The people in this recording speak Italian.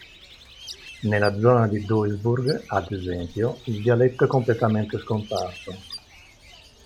Nella zona di Duisburg, ad esempio, il dialetto è completamente scomparso.